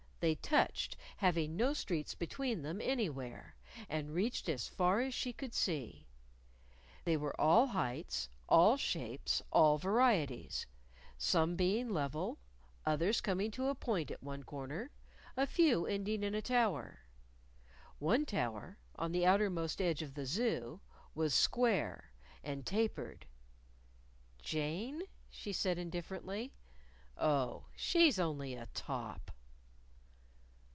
They touched, having no streets between them anywhere, and reached as far as she could see. They were all heights, all shapes, all varieties some being level, others coming to a point at one corner, a few ending in a tower. One tower, on the outer most edge of the Zoo, was square, and tapered. "Jane?" she said indifferently. "Oh, she's only a top."